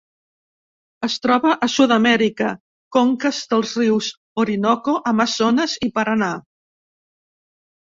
Es troba a Sud-amèrica: conques dels rius Orinoco, Amazones i Paranà.